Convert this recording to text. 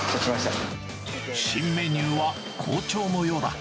新メニューは好調のようだ。